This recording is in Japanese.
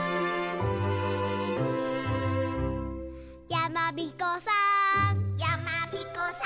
「やまびこさーん」